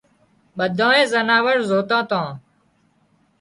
ٻڌانئي زناور زوتان تان